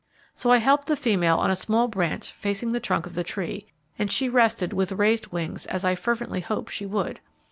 So I helped the female on a small branch facing the trunk of the tree, and she rested with raised wings as I fervently hoped she would.